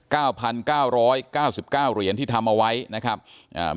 เก้าพันเก้าร้อยเก้าสิบเก้าเหรียญที่ทำเอาไว้นะครับอ่า